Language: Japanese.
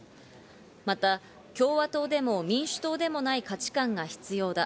また共和党でも民主党でもない価値感が必要だ。